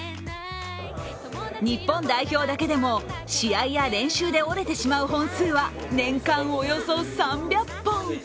日本代表だけでも、試合や練習で折れてしまう本数は年間およそ３００本。